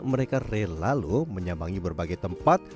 mereka rela loh menyambangi berbagai tempat